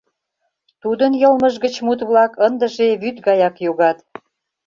Тудын йылмыж гыч мут-влак ындыже вӱд гаяк йогат.